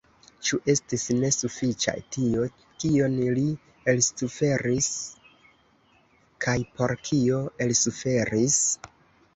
Ĉu estis ne sufiĉa tio, kion li elsuferis kaj por kio elsuferis?